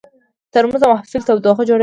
ترموز د محفل تودوخه جوړوي.